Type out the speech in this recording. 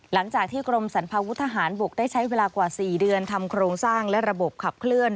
หลังจากที่กรมสรรพาวุฒหารบกได้ใช้เวลากว่า๔เดือนทำโครงสร้างและระบบขับเคลื่อน